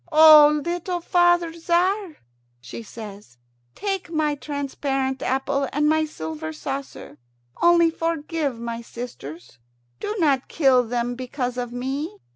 "O little father, Tzar," she says, "take my transparent apple and my silver saucer; only forgive my sisters. Do not kill them because of me.